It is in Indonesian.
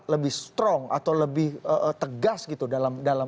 lebih strong atau lebih tegas gitu dalam